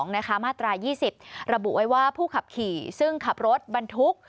มาตราย๒๐ระบุไว้ว่าผู้ขับขี่ซึ่งขับรถบรรทุก